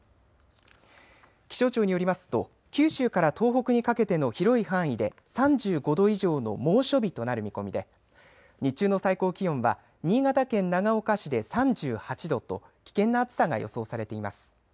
気象庁によりますと九州から東北にかけての広い範囲で３５度以上の猛暑日となる見込みで日中の最高気温は新潟県長岡市で３８度と危険な暑さが予想されています。